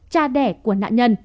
cha đẻ của nạn nhân